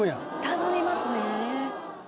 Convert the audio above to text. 頼みますね。